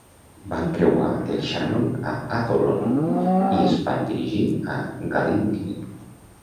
Van creuar el Shannon a Athlone i es van dirigir cap a Gallimhe.